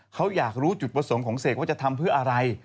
เขาอยากรู้จุดประสงค์ของเสกว่าจะทำเพื่ออะไร